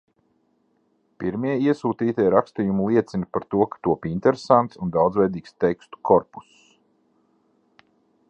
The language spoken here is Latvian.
Pirmie iesūtītie rakstījumi liecina par to, ka top interesants un daudzveidīgs tekstu korpuss.